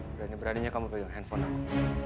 berani beraninya kamu pegang handphone aku